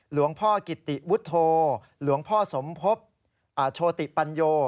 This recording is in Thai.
หลวงพ่อกิติวุฒโธหลวงพ่อสมภพโชติปัญโย